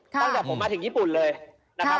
ตั้งแต่ผมมาถึงญี่ปุ่นเลยนะครับ